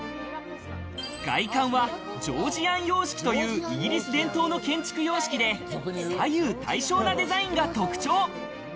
外観はジョージアン様式というイギリス伝統の建築様式で左右対称なデザインが特徴。